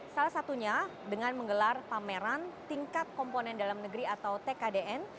salah satunya dengan menggelar pameran tingkat komponen dalam negeri atau tkdn